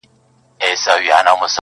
عبث ژوند دي نژدې سوی تر شپېتو دی,